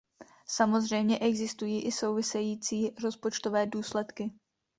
Samozřejmě, existují i související rozpočtové důsledky.